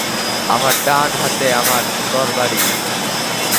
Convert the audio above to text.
আমার ডান হাতে আমার তরবারী।